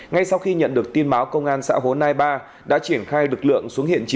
ngay sau khi nhận được tin báo công an xã hồ nai ba đã triển khai lực lượng xuống hiện trí